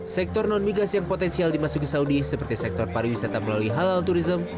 sektor non migas yang potensial dimasuki saudi seperti sektor pariwisata melalui halal tourism